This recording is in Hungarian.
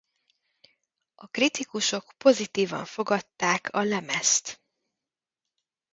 A kritikusok pozitívan fogadták a lemezt.